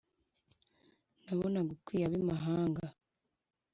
Nabonaga ukwiye abimahanga